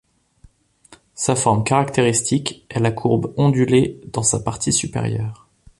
Sa forme caractéristique est la courbe ondulée dans sa partie supérieure.